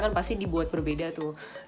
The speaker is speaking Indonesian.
kan pasti dibuat berbeda tuh